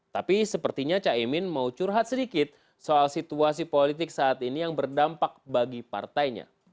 tapi sepertinya caimin mau curhat sedikit soal situasi politik saat ini yang berdampak bagi partainya